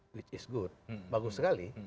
yang itu bagus bagus sekali